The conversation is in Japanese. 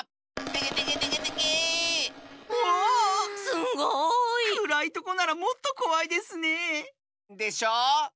すごい！くらいとこならもっとこわいですねえ。でしょう？